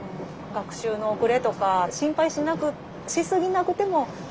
学習の遅れとか心配しなくしすぎなくてもいいですか？